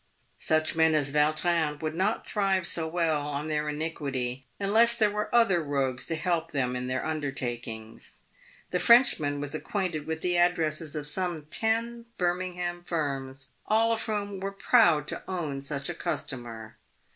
Such men as Yautrin would not thrive so well on their iniquity un less there were other rogues to help them in their undertakings. The Frenchman was acquainted with the addresses of some ten Birmingham firms, all of whom were proud to own such a customer.